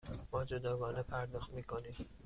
ما جداگانه پرداخت می کنیم.